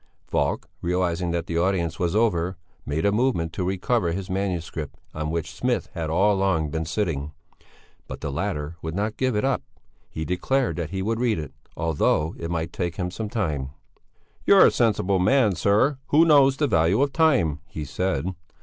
Falk, realizing that the audience was over, made a movement to recover his manuscript on which Smith had all along been sitting. But the latter would not give it up; he declared that he would read it, although it might take him some time. "You're a sensible man, sir, who knows the value of time," he said.